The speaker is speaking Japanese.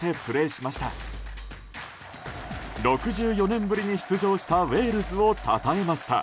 ６４年ぶりに出場したウェールズをたたえました。